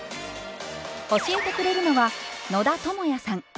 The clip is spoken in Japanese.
教えてくれるのは野田智也さん。